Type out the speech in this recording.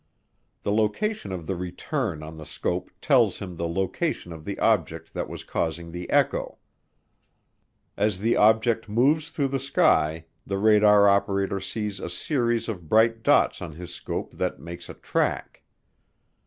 The location of the return on the scope tells him the location of the object that was causing the echo. As the object moves through the sky, the radar operator sees a series of bright dots on his scope that make a track.